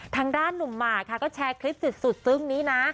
ทางด้านหนุ่มหมากค่ะก็แชร์คลิปสุดซึ้งนี้นะ